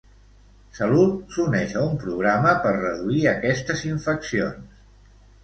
Salut s'uneix a un programa per reduir aquestes infeccions.